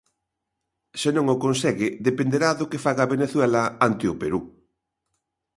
Se non o consegue, dependerá do que faga Venezuela ante o Perú.